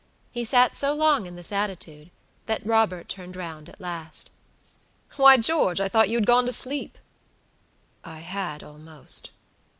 He sat so long in this attitude, that Robert turned round at last. "Why, George, I thought you had gone to sleep!" "I had almost."